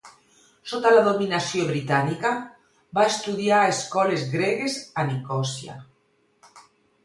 Sota la dominació britànica, va estudiar a escoles gregues a Nicòsia.